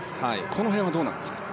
この辺はどうですか？